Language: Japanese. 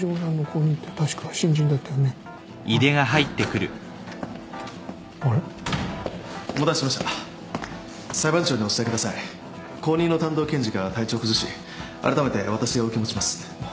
後任の担当検事が体調を崩しあらためて私が受け持ちます。